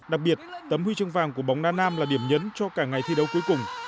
đặc biệt tấm huy chương vàng của bóng đa nam là điểm nhấn cho cả ngày thi đấu cuối cùng